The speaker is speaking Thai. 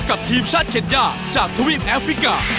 กับทีมชาติเคนย่าจากทวีปแอฟริกา